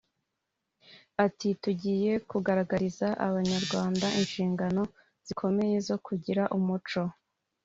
Ati “Tugiye kugaragariza Abanyarwanda inshingano zikomeye zo kugira umuco